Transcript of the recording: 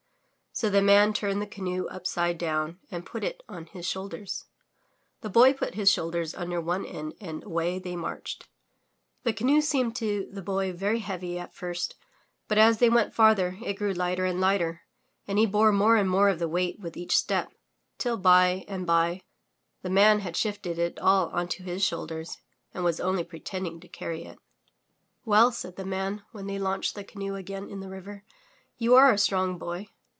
*' So the Man turned the canoe upside down and put it on his shoulders; the Boy put his shoulders under one end and away they marched. The canoe seemed to the Boy very heavy at 167 MY BOOK HOUSE first but as they went farther, it grew lighter and lighter, and he bore more and more of the weight with each step, till by and by the Man had shifted it all onto his shoulders and was only pretending to carry it. "Well,'' said the man when they launched the canoe again in the river, '*you are a strong boy.